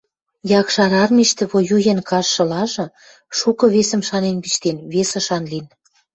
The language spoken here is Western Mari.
Якшар Армиштӹ воюен каштшылажы, шукы весӹм шанен пиштен, вес ышан лин.